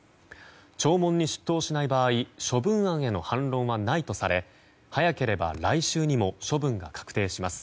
聴聞に出頭しない場合処分案への反論はないとされ早ければ来週にも処分が確定します。